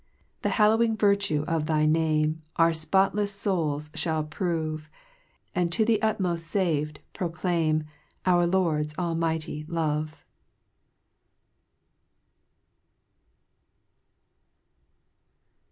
6 The hallowing virtue of thy Name, Our fpotlefs fouls fliajl prove ; And to the utmoft fav'd, proclaim, Our Lord's almighty love.